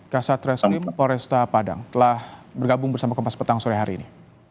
kasat reskrim poresta padang telah bergabung bersama kompas petang sore hari ini